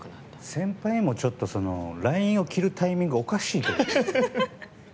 先輩も、ちょっとＬＩＮＥを切るタイミングおかしいよね。